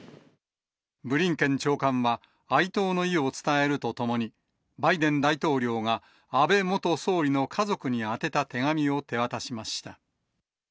ブリンケン長官は、哀悼の意を伝えるとともに、バイデン大統領が安倍元総理の家族に宛てた手紙を手渡しました。